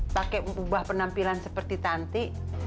pakai ubah penampilan seperti tanti